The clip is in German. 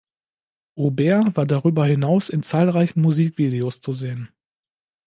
Aubert war darüber hinaus in zahlreichen Musikvideos zu sehen.